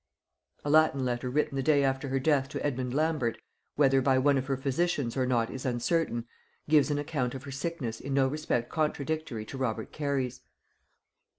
A Latin letter written the day after her death to Edmund Lambert, whether by one of her physicians or not is uncertain, gives an account of her sickness in no respect contradictory to Robert Cary's.